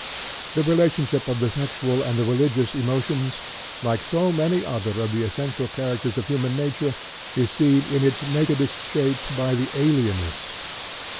" The relationship of the sexual and the religious emotions like so many other of the essential characters of human nature is seen in its nakedest shape by the alienist.